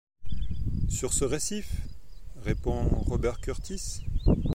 Sur ce récif? répond Robert Kurtis.